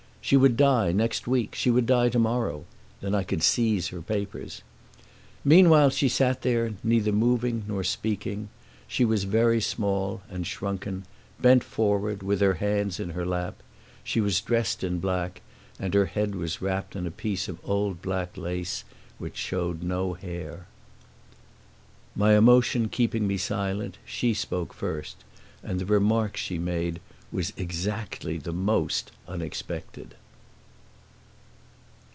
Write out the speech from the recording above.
She would die next week, she would die tomorrow then I could seize her papers. Meanwhile she sat there neither moving nor speaking. She was very small and shrunken, bent forward, with her hands in her lap. She was dressed in black, and her head was wrapped in a piece of old black lace which showed no hair. My emotion keeping me silent she spoke first, and the remark she made was exactly the most unexpected.